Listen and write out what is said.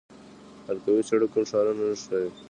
حلقوي سړک کوم ښارونه نښلوي؟